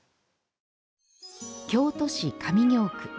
京都市上京区。